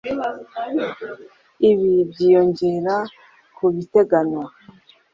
ibi byiyongera ku biteganywa